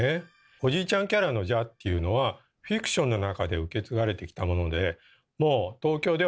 おじいちゃんキャラの「じゃ」っていうのはフィクションの中で受け継がれてきたものでもう東京では現実に使う人はいないと思います。